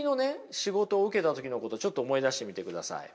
仕事を受けた時のことをちょっと思い出してみてください。